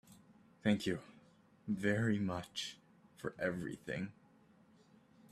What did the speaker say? Thank you very much for everything.